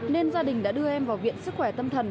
nên gia đình đã đưa em vào viện sức khỏe tâm thần